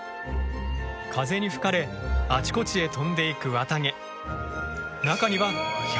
風に吹かれあちこちへ飛んでいく綿毛。